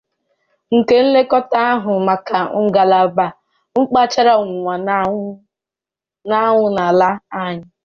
nke nlekọta na-ahụ maka ngalaba mpaghara ọwụwa anyanwụ ala anyị